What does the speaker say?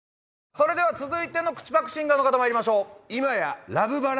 それでは続いての口ぱくシンガーまいりましょう。